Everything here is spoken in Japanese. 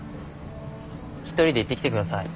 一人で行ってきてください。